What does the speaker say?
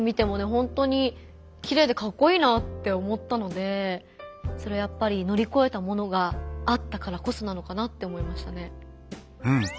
本当にきれいでかっこいいなって思ったのでそれはやっぱり乗り超えたものがあったからこそなのかなって思いましたね。